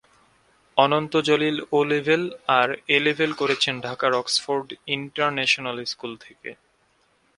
অনন্ত Jalil O level আর A level করেছেন ঢাকার অক্সফোর্ড ইন্টারন্যাশনাল স্কুল থেকে।